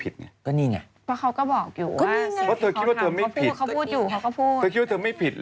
ด้วยนี่ไงเพราะเขาก็บอกอยู่สิ่งที่เขาพูดอยู่